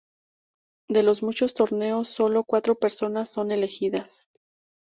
De los muchos torneos, sólo cuatro personas son elegidas.